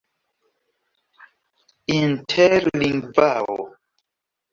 interlingvao